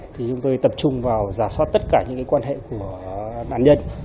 thì chúng tôi tập trung vào giả soát tất cả những quan hệ của nạn nhân